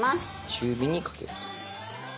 中火にかけると。